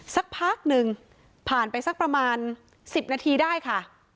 สักพักหนึ่งผ่านไปสักประมาณ๑๐นาทีได้ค่ะ